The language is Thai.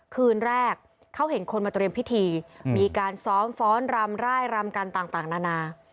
คืนแรกเขาเห็นคนมาเตรียมพิธีมีการซ้อมฟ้อนรำร่ายรำกันต่างนานา